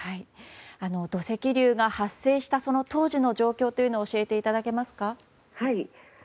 土石流が発生したその当時の状況を教えていただけますか？